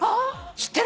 知ってる？